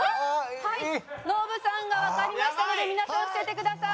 はいノブさんがわかりましたので皆さん伏せてください。